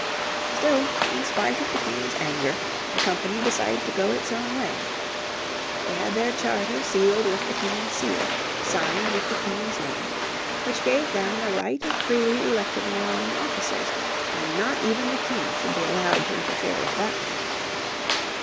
Still in spite of the King's anger the company decided to go its own way. They had their charter sealed with the King's seal, signed with the King's name, which gave them the right of freely electing their own officers, and not even the King should be allowed to interfere with that right.